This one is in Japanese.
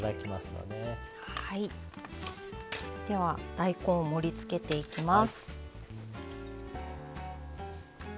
では大根を盛りつけていきます。